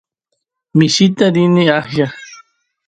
mishita rini aqlla